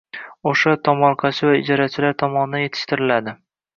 o‘sha tomorqachi va ijarachilar tomonidan yetishtiriladi.